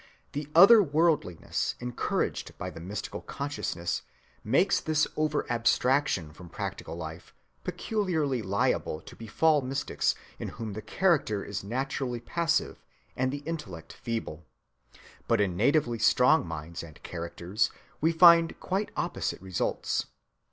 The "other‐worldliness" encouraged by the mystical consciousness makes this over‐abstraction from practical life peculiarly liable to befall mystics in whom the character is naturally passive and the intellect feeble; but in natively strong minds and characters we find quite opposite results.